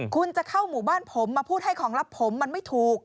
คุณจะเข้าหมู่บ้านผมมาพูดให้ของลับผมมันไม่ถูก